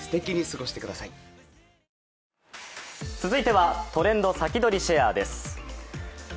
続いては「トレンドさきどり＃シェア」です。